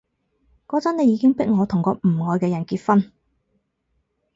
嗰陣你已經迫過我同個唔愛嘅人結婚